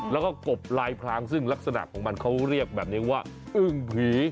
แล้วก็กบลายพรางซึ่งลักษณะของมันเขาเรียกแบบนี้ว่าอึ้งผี